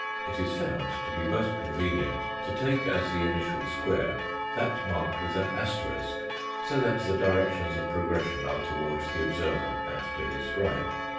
It is found to be most con venient to take as the initial square that marked with an asterisk, so that the Fig. i. directions of progression are towards the observer and to his right.